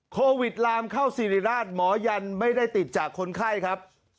โควิดลามเข้าสิริราชหมอยันไม่ได้ติดจากคนไข้ครับ